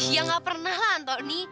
ya enggak pernah lah antoni